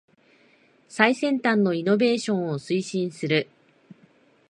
最先端のイノベーションを推進する